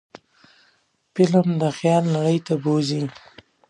فلم د خیال نړۍ ته بوځي